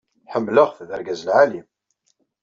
Ḥemmleɣ-t, d argaz lɛali.